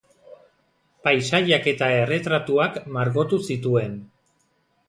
Paisaiak eta erretratuak margotu zituen.